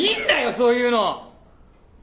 そういうの！